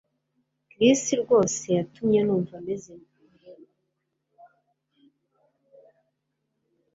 Chris rwose yatumye numva meze murugo